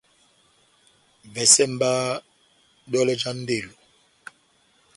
Vɛsɛ mba dɔlɛ já ndelo.